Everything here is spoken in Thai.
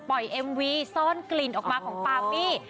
เอ็มวีซ่อนกลิ่นออกมาของปามี่